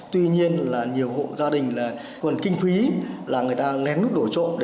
tuy nhiên nhiều hộ gia đình còn kinh phí là người ta nén nút đổ trộn